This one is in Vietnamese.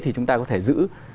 thì chúng ta có thể giữ